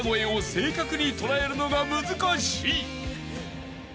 正確に捉えるのが難しい］